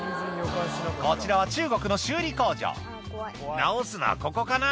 こちらは中国の修理工場「直すのはここかな？